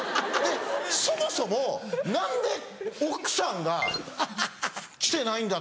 そもそも何で奥さんが来てないんだって。